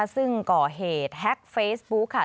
ซึ่งก่อเหตุแฮ็กเฟซบุ๊คค่ะ